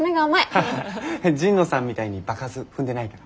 ハハハハ神野さんみたいに場数踏んでないから。